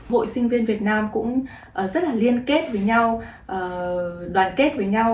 hội sinh viên việt nam cũng rất là liên kết với nhau đoàn kết với nhau